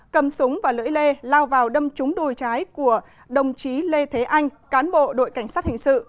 cầm súng và lưỡi lê lao vào đâm trúng đùi trái của đồng chí lê thế anh cán bộ đội cảnh sát hình sự